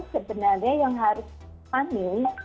sebenarnya yang harus dipanili